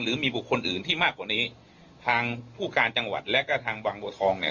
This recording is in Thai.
หรือมีบุคคลอื่นที่มากกว่านี้ทางผู้การจังหวัดและก็ทางบางบัวทองเนี่ย